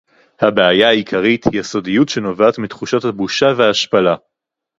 הבעיה העיקרית היא הסודיות שנובעת מתחושת הבושה וההשפלה